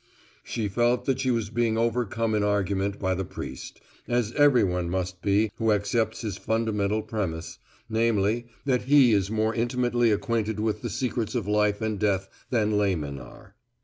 She felt that she was being overcome in argument by the priest, as everyone must be who accepts his fundamental premise, namely, that he is more intimately acquainted with the secrets of life and death than laymen are.